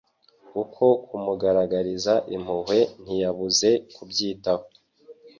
uko kumugaragariza impuhwe ntiyabuze kubyitaho.